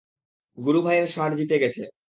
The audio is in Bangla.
গুরু ভাইয়ের ষাঁড় জিতে গেছে!